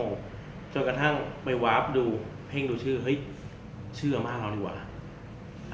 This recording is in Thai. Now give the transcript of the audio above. จนกระทั่งไปวาร์ฟดูเพ่งดูชื่อเฮ้ยชื่ออาม่าเราดีกว่า